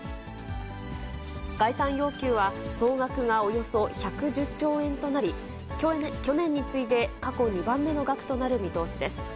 概算要求は総額がおよそ１１０兆円となり、去年に次いで過去２番目の額となる見通しです。